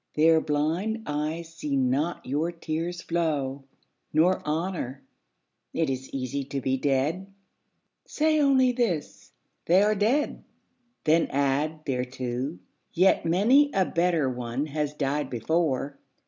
Their blind eyes see not your tears flow. Nor honour. It is easy to be dead. Say only this, " They are dead." Then add thereto, " Yet many a better one has died before."